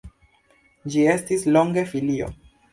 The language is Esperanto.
Ĝi estis longe filio.